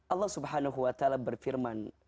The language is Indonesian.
allah swt berfirman